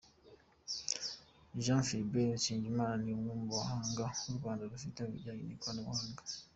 Jean Philbert Nsengimana ni umwe mu bahanga u Rwanda rufite mu bijyanye n’ikoranabuhanga.